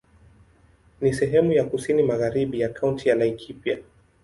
Ni sehemu ya kusini magharibi ya Kaunti ya Laikipia.